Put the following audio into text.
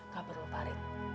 gak perlu farid